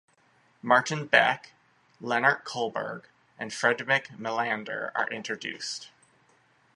Martin Beck, Lennart Kollberg and Fredrik Melander are introduced.